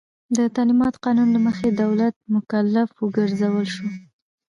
د تعلیماتو قانون له مخې دولت مکلف وګرځول شو.